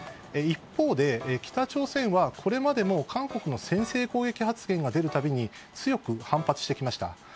一方で北朝鮮はこれまでも韓国の先制攻撃発言が出るたびに強く反発してきました。